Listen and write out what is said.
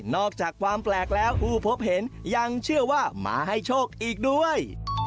อกจากความแปลกแล้วผู้พบเห็นยังเชื่อว่ามาให้โชคอีกด้วย